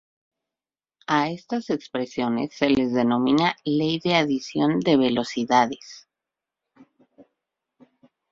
A estas expresiones se las denomina "ley de adición de velocidades".